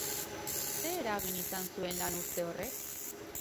Zer eragin izan zuen lanuzte horrek?